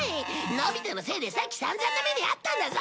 のび太のせいでさっき散々な目に遭ったんだぞ！